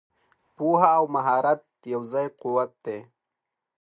پوهه او مهارت یو ځای قوت دی.